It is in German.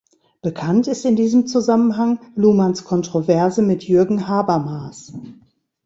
Bekannt ist in diesem Zusammenhang Luhmanns Kontroverse mit Jürgen Habermas.